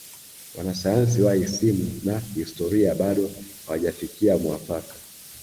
Wanasayansi wa isimu na historia bado hawajafikia mwafaka